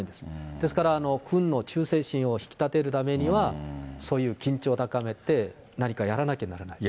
ですから、軍の忠誠心を引き立てるためには、そういう緊張を高めて何かやらなきゃならない。